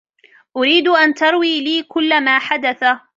أريد أن تروي لي كلّ ما حدث.